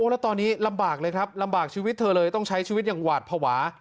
แล้วตอนนี้ลำบากเลยครับลำบากชีวิตเธอเลยต้องใช้ชีวิตอย่างหวาดภาวะ